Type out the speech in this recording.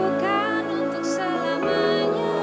bukan untuk selamanya